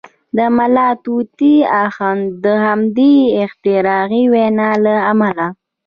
د ملا طوطي اخند د همدغې اختراعي وینا له امله.